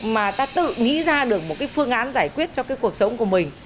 mà ta tự nghĩ ra được một cái phương án giải quyết cho cái cuộc sống của mình